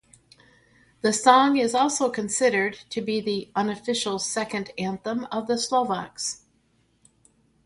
The song is also considered to be the unofficial second anthem of the Slovaks.